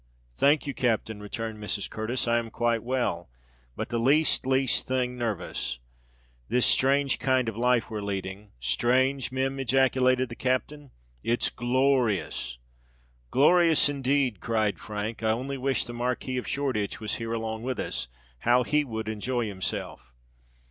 "Thank you, captain," returned Mrs. Curtis, "I am quite well—but the least, least thing nervous. This strange kind of life we're leading——" "Strange, Mim!" ejaculated the captain: "it's glor r ious!" "Glorious, indeed!" cried Frank. "I only wish the Marquis of Shoreditch was here along with us—how he would enjoy himself!"